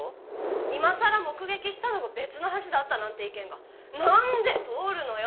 今さら目撃したのが別の橋だったなんて意見が何で通るのよ！